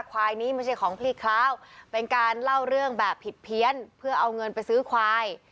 ควายนี้ไม่ใช่ของพี่คล้าวเป็นการเล่าเรื่องแบบผิดเพี้ยนเพื่อเอาเงินไปซื้อควาย